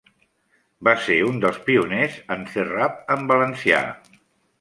Va ser un dels pioners en fer rap en valencià.